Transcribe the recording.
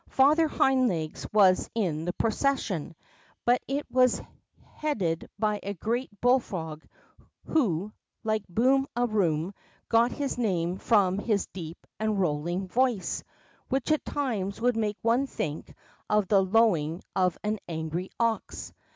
Father Hind Legs was in the procession, but it was headed by a great bullfrog who, like Boom a Tvoom, got his name from his deep and rolling WHAT THE FROGS TAUGHT 81 voice, which at times would make one think of the lowing of an angry ox.